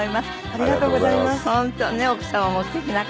ありがとうございます。